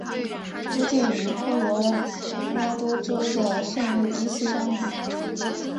多见于科罗拉多州的圣路易斯山谷。